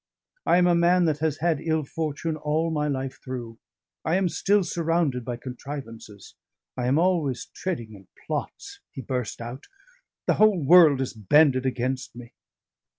I am a man that has had ill fortune all my life through. I am still surrounded by contrivances. I am always treading in plots," he burst out. "The whole world is banded against me."